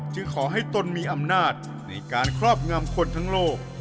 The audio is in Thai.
ขอให้ตนมีอำนาจในการครอบงำคนทั้งโลก